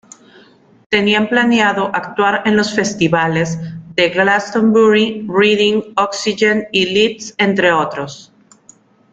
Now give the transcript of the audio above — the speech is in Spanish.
Tenían planeado actuar en los festivales de Glastonbury, Reading, Oxygen y Leeds entre otros.